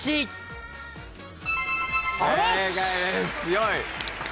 強い。